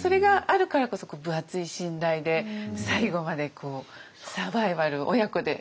それがあるからこそ分厚い信頼で最後までサバイバル親子でしちゃうっていう。